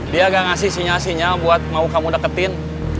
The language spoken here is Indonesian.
dia agak ngasih sinyal sinyal buat mau kamu deketin